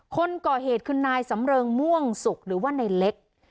คนก่อเหตุคือนายสำเริงม่วงสุกหรือว่าในเล็ก